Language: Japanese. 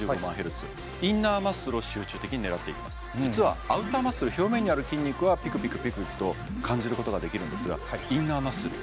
これに搭載した実はアウターマッスル表面にある筋肉はピクピクピクピクと感じることができるんですがインナーマッスル